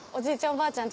おばあちゃん